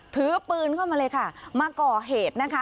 ถือปืนเข้ามาเลยค่ะมาก่อเหตุนะคะ